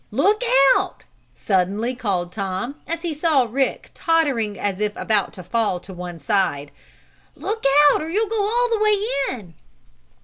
"Look out!" suddenly called Tom, as he saw Rick tottering as if about to fall to one side. "Look out or you'll go all the way in!"